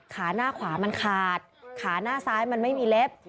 ขาหน้าขวามันขาดขาหน้าซ้ายมันไม่มีเล็บ